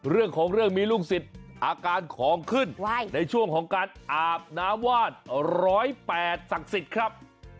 เรื่องของเรื่องมีลูกศิษย์อาการของขึ้นในช่วงของการอาบน้ำวาด๑๐๘ศักดิ์สิทธิ์ครับ